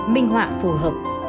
minh họa phù hợp